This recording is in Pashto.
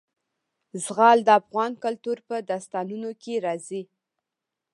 زغال د افغان کلتور په داستانونو کې راځي.